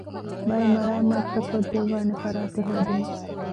ބައެއް މަރާމާތުތައް ކޮށްދެއްވާނެ ފަރާތެއް ހޯދުމަށް